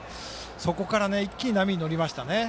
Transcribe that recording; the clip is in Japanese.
そこから一気に波に乗りましたね。